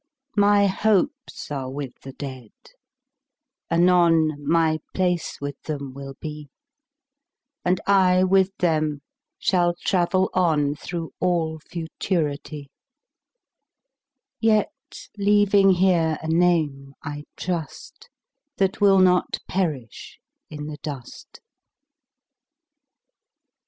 My hopes are with the Dead; anon My place with them will be, 20 And I with them shall travel on Through all Futurity; Yet leaving here a name, I trust, That will not perish in the dust.